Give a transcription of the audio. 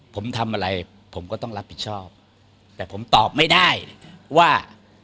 ผมทำอะไรผมก็ต้องรับผิดชอบแต่ผมตอบไม่ได้ว่า